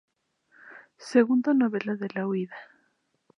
Segunda novela de la huida".